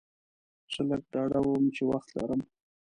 زه لږ ډاډه وم چې وخت لرم.